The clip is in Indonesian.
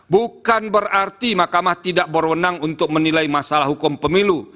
bukan berarti mahkamah tidak berwenang untuk menilai masalah hukum pemilu